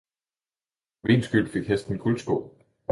for min skyld fik hesten guldsko!